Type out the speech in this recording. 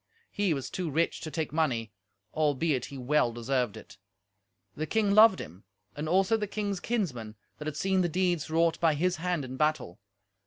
He was too rich to take money, albeit he well deserved it; the king loved him, and also the king's kinsmen that had seen the deeds wrought by his hand in battle.